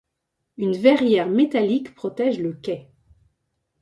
Une verrière métallique protège le quai.